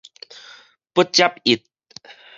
不接一